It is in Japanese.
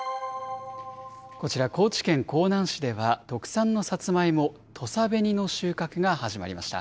こちら、高知県香南市では、特産のサツマイモ、土佐紅の収穫が始まりました。